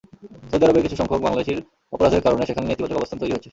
Saudi আরবেও কিছুসংখ্যক বাংলাদেশির অপরাধের কারণে সেখানে নেতিবাচক অবস্থান তৈরি হয়েছে।